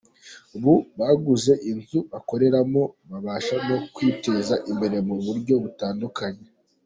Ubu baguze inzu bakoreramo, babasha no kwiteza imbere mu buryo butandukanye.